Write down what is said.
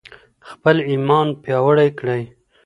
خپل ایمان پیاوړی کړئ.